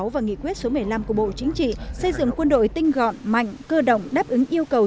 và nghị quyết số một mươi năm của bộ chính trị xây dựng quân đội tinh gọn mạnh cơ động đáp ứng yêu cầu